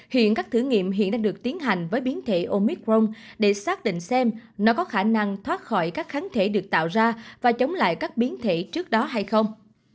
hiện các thử nghiệm hiện đang được tiến hành với biến thể omicron để xác định xem nó có khả năng thoát khỏi các kháng thể được tạo ra và chống lại các biến thể trước đó hay không